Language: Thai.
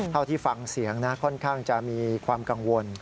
ที่ฟังเสียงนะค่อนข้างจะมีความกังวล